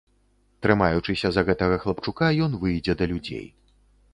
Трымаючыся за гэтага хлапчука, ён выйдзе да людзей.